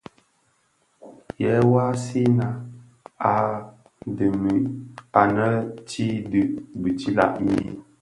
Yë vansina a dhemi annë tii dhi bitilag mii,